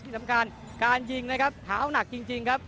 สำคัญการยิงนะครับเท้าหนักจริงครับ